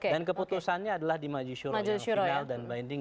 dan keputusannya adalah di maju syuroh yang final dan binding